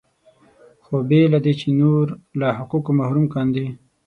خو بې له دې چې نور له حقونو محروم کاندي.